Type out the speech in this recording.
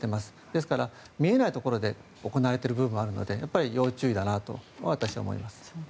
ですから見えないところで行われている部分があるのでやっぱり要注意だなと私は思います。